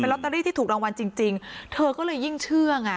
ลอตเตอรี่ที่ถูกรางวัลจริงจริงเธอก็เลยยิ่งเชื่อไง